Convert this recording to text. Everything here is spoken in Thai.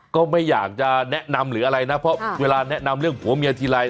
ก็ไม่อยากจะแนะนำหรืออะไรนะเพราะเวลาแนะนำเรื่องผัวเมียทีไร